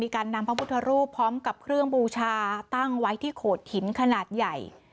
การนำพระพุทธรูปพร้อมกับเครื่องบูชาตั้งไว้ที่โขดหินขนาดใหญ่